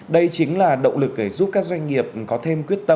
đây chính là động lực để giúp các doanh nghiệp có thêm quyết tâm